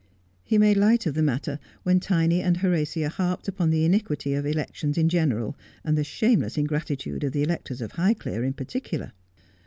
He made light of the matter when Tiny and Horatia harped upon the iniquity of elections in general, and the shameless ingratitude of the electors of High clere in particular.